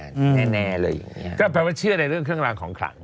แน่แน่เลยอย่างเงี้ก็แปลว่าเชื่อในเรื่องเครื่องรางของขลัง